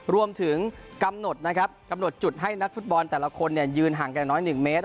รวมถึงกำหนดนะครับกำหนดจุดให้นักฟุตบอลแต่ละคนยืนห่างกันน้อย๑เมตร